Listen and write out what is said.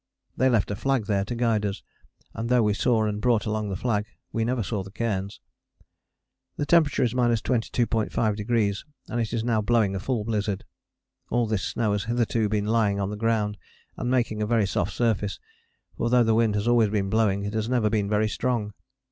They left a flag there to guide us, and though we saw and brought along the flag, we never saw the cairns. The temperature is 22.5°, and it is now blowing a full blizzard. All this snow has hitherto been lying on the ground and making a very soft surface, for though the wind has always been blowing it has never been very strong.